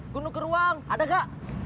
gue mau ke ruang ada gak